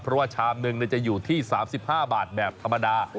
เพราะว่าชามหนึ่งจะอยู่ที่๓๕บาทแบบธรรมดา